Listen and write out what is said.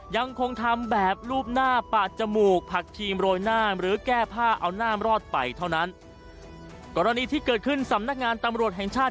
ยังคงทำแบบรูปหน้าปาดจมูกผักครีมโรยหน้าหรือแก้ผ้าเอาหน้ารอดไปเท่านั้นกรณีที่เกิดขึ้นสำนักงานตำรวจแห่งชาติ